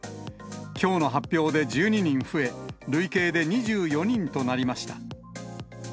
きょうの発表で１２人増え、累計で２４人となりました。